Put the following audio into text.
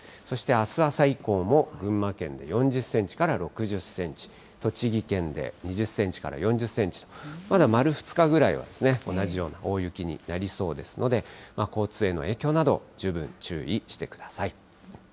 そしてあす朝以降も群馬県で４０センチから６０センチ、栃木県で２０センチから４０センチ、まだ丸２日ぐらいは同じような大雪になりそうですので、交通への影響など、十分注意してください。